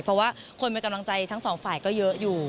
เพราะว่าคนเป็นกำลังใจทั้งสองฝ่ายก็เยอะอยู่